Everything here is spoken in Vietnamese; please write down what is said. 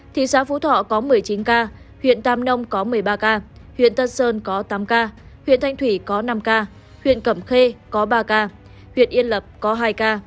thị xã phú thọ có một mươi chín ca huyện tam nông có một mươi ba ca huyện tân sơn có tám ca huyện thanh thủy có năm ca huyện cẩm khê có ba ca huyện yên lập có hai ca